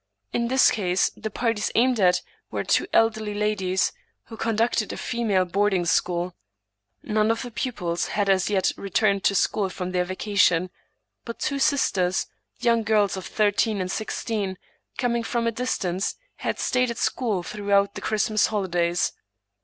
In this case the parties aimed at were two elderly ladies, who conducted a iemale boarding school. None of the pupils had as yet re 130 Thomas De Quincey turned to school from their vacation ; but two sisters, youtig girls of thirteen and sixteen, coming from a distance, had stayed at school throughout the Christmas holidays.